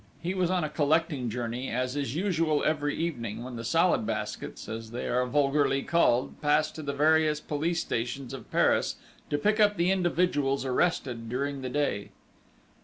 He was on a collecting journey as is usual every evening, when the Salad Baskets, as they are vulgarly called, pass to the various police stations of Paris to pick up the individuals arrested during the day.